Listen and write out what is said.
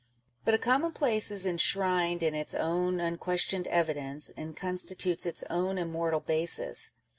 But a commonplace is enshrined in its own unquestioned evidence, and constitutes its own im mortal basis.